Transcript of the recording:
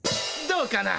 どうかな。